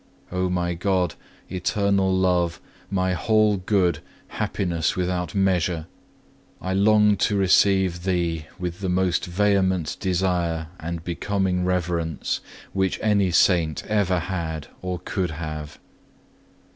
O my God, Eternal Love, my whole Good, Happiness without measure, I long to receive Thee with the most vehement desire and becoming reverence which any Saint ever had or could have.